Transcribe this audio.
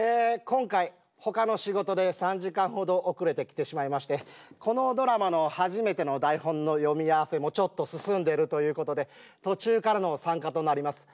今回ほかの仕事で３時間ほど遅れてきてしまいましてこのドラマの初めての台本の読み合わせもちょっと進んでるということで途中からの参加となります。